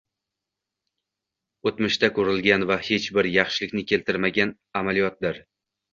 — o‘tmishda ko‘rilgan va hech bir yaxshilikni keltirmagan amaliyotdir.